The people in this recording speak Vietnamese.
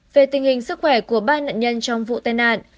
về tình hình sức khỏe của ba nạn nhân trong vụ tai nạn